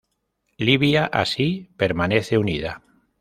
Libia así permanece unida.